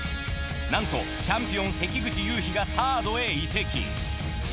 なんとチャンピオン関口雄飛がサードへ移籍。